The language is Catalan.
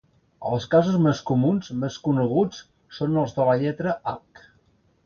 Els casos més comuns, més coneguts són els de la lletra 'h'.